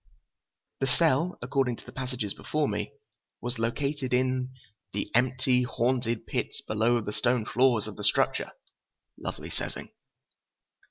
The cell, according to the pages before me, was located in the "empty, haunted pits below the stone floors of the structure...." Lovely setting!